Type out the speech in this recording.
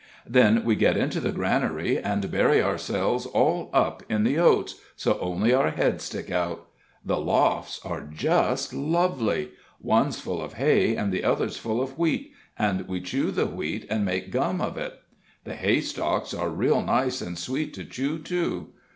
Then we get into the granary, and bury ourselves all up in the oats, so only our heads stick out. The lofts are just lovely: one's full of hay and the other's full of wheat, and we chew the wheat, and make gum of it. The hay stalks are real nice and sweet to chew, too.